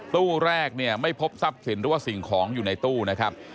ตู้แรกเนี่ยไม่พบทรัพย์สินหรือว่าสิ่งของอยู่ในตู้นะครับ